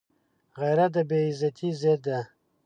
غیرت د بې عزتۍ ضد دی